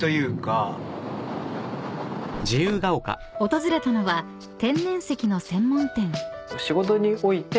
［訪れたのは天然石の専門店］